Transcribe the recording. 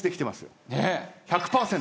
１００％。